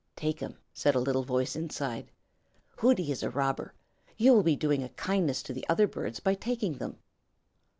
"Take 'em," said a little voice inside. "Hooty is a robber. You will be doing a kindness to the other birds by taking them."